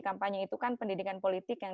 kampanye itu kan pendidikan politik yang